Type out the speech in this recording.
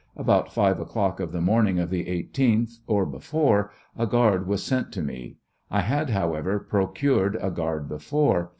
About 5 o'clock of the morning of the I8th, or before, a guard was sent to me. I had, however, procured a guard before.